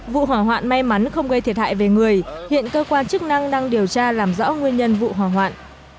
vụ hỏa hoạn may mắn không gây thiệt hại về người hiện cơ quan chức năng đang điều tra làm rõ nguyên nhân vụ hỏa hoạn